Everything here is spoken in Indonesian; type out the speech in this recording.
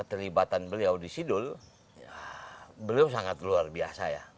keterlibatan beliau di sidul beliau sangat luar biasa ya